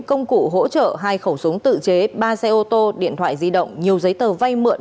công cụ hỗ trợ hai khẩu súng tự chế ba xe ô tô điện thoại di động nhiều giấy tờ vay mượn